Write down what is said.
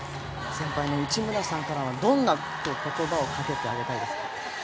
先輩の内村さんからはどんな言葉をかけてあげたいですか。